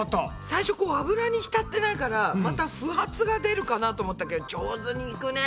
最初油にひたってないからまた不発が出るかなと思ったけど上手にいくね。ね。